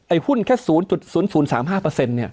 หุ้นแค่๐๐๓๕เนี่ย